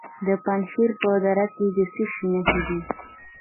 د پنجشیر په دره کې د څه شي نښې دي؟